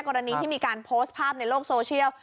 กรณีที่มีการโพสต์ภาพในโลกโซเชียล